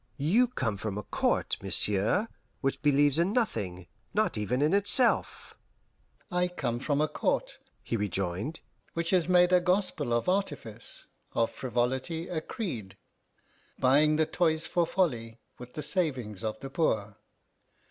"You come from a court, monsieur, which believes in nothing, not even in itself." "I come from a court," he rejoined, "which has made a gospel of artifice, of frivolity a creed; buying the toys for folly with the savings of the poor.